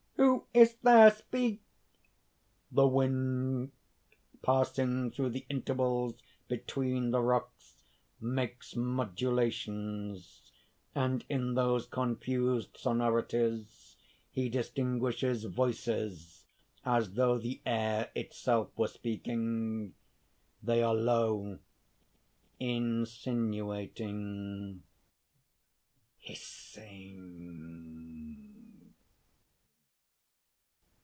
_) "Who is there? Speak!" (_The wind passing through the intervals between the rocks, makes modulations; and in those confused sonorities he distinguishes Voices, as though the air itself were speaking. They are low, insinuating, hissing.